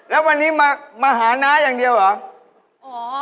แล้ววันนี้มาหาน้าอย่างเดียวเหรอ